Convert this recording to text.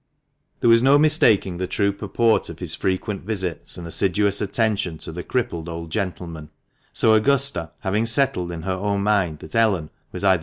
There was no mistaking the true purport of his frequent visits and assiduous attention to the crippled old gentleman, so Augusta, having settled in her own mind that Ellen was either 2go THE MANCHESTER MAN.